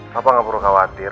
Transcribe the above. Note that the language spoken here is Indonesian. papa gak perlu khawatir